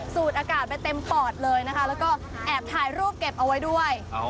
อากาศไปเต็มปอดเลยนะคะแล้วก็แอบถ่ายรูปเก็บเอาไว้ด้วย